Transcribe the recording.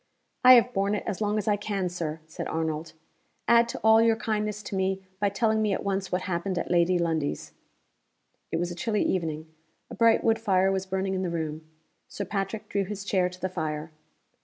"I have borne it as long as I can, Sir," said Arnold. "Add to all your kindness to me by telling me at once what happened at Lady Lundie's." It was a chilly evening. A bright wood fire was burning in the room. Sir Patrick drew his chair to the fire.